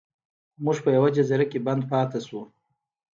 موږ په یوه جزیره کې بند پاتې شو.